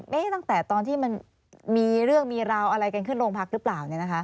ตั้งแต่ตอนที่มันมีเรื่องมีราวอะไรกันขึ้นโรงพักหรือเปล่า